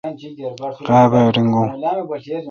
غابہ ریگون۔